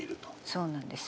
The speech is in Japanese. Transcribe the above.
そうなんです。